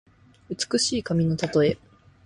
美しい髪のたとえ。